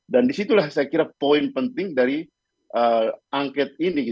dan disitulah saya kira poin penting dari angket ini